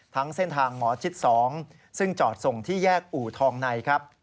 ทั้งเส้นทางหมอชิด๒ซึ่งจอดส่งที่แยกอู่ทองในครับ